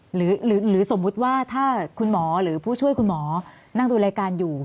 หรือสมมุติว่าถ้าคุณหมอหรือผู้ช่วยคุณหมอนั่งดูรายการอยู่